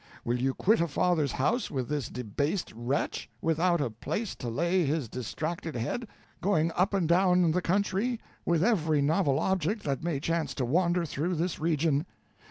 Will you quit a father's house with this debased wretch, without a place to lay his distracted head; going up and down the country, with every novel object that may chance to wander through this region.